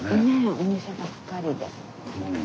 お店ばっかりで。